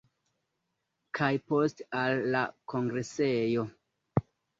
Kaj poste al la kongresejo.